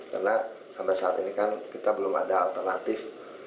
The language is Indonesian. karena sampai saat ini kan kita belum ada alternatif